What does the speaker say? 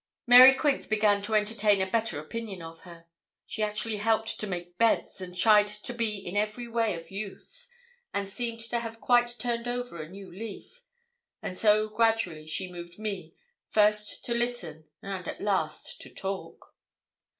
Mary Quince began to entertain a better opinion of her. She actually helped to make beds, and tried to be in every way of use, and seemed to have quite turned over a new leaf; and so gradually she moved me, first to listen, and at last to talk.